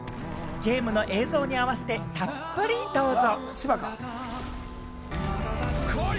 ゲームの映像に合わせてたっぷりどうぞ。